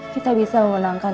kita bisa memenangkan